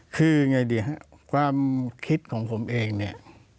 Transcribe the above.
คือไงดีครับความคิดของผมเองเนี่ย